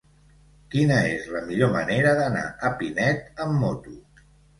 Quina és la millor manera d'anar a Pinet amb moto?